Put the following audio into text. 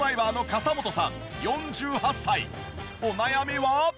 お悩みは？